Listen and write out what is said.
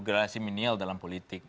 generasi miliar dalam politik